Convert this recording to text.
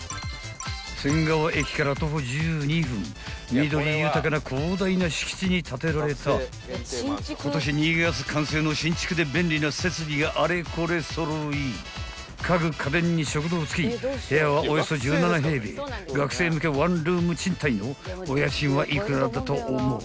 ［緑豊かな広大な敷地に建てられた今年２月完成の新築で便利な設備があれこれ揃い家具家電に食堂付き部屋はおよそ１７平米学生向けワンルーム賃貸のお家賃は幾らだと思う？］